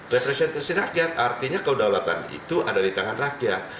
representasi rakyat artinya kedaulatan itu ada di tangan rakyat